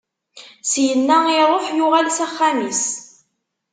Syenna, iṛuḥ, yuɣal s axxam-is.